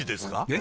え？